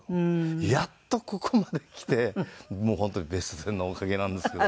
やっとここまできてもう本当に『ベストテン』のおかげなんですけども。